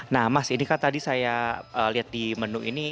nah mas ini kan tadi saya lihat di menu ini